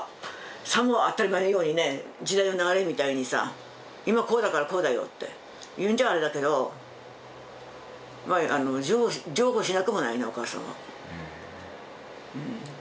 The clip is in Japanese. さも当たり前のようにね時代の流れみたいにさ「今こうだからこうだよ」って言うんじゃあれだけどまあ譲歩しなくもないなお母さんは。